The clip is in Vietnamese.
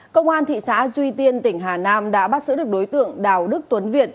công an thị xã duy tiên tỉnh hà nam đã bắt giữ được đối tượng đào đức tuấn việt